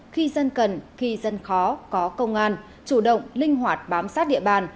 khi dân cần khi dân khó có công an chủ động linh hoạt bám sát địa bàn